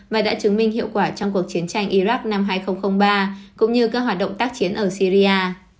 và đã chứng minh hiệu quả trong cuộc chiến tranh iraq năm hai nghìn ba cũng như các hoạt động tác chiến ở syria